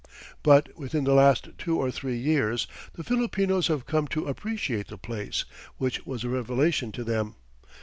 But within the last two or three years, the Filipinos have come to appreciate the place, which was a revelation to them.